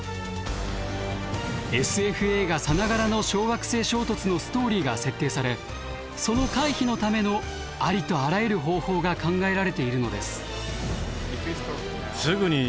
ＳＦ映画さながらの小惑星衝突のストーリーが設定されその回避のためのありとあらゆる方法が考えられているのです。